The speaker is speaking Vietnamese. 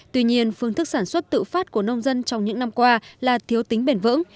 tuy nhiên phương thức sản xuất tự phát của nông dân trong những năm qua là thiếu tính bền vững